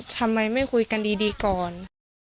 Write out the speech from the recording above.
ทำไมไม่คุยกันดีก่อน